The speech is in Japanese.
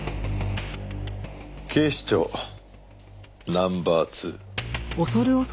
警視庁ナンバー２。